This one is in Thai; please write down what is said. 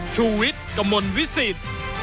ชูเว็ดกมลวิสิต